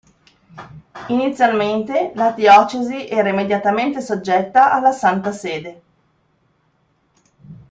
Inizialmente la diocesi era immediatamente soggetta alla Santa Sede.